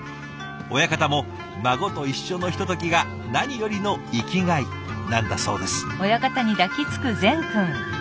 親方も孫と一緒のひとときが何よりの生きがいなんだそうです。